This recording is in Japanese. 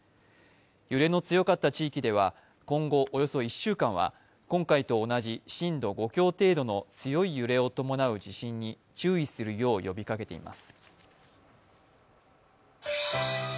揺れの強かった地域では、今後およそ１週間は今回と同じ震度５強程度の強い揺れを伴う地震にこごて番組からお知らせがあります。